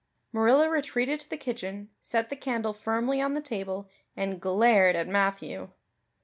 Marilla retreated to the kitchen, set the candle firmly on the table, and glared at Matthew.